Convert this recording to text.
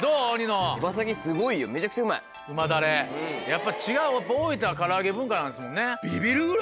やっぱ違う大分は唐揚げ文化なんですもんね。